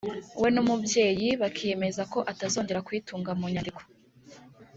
we n’umubyeyi bakiyemeze ko atazongera kuyitunga mu nyandiko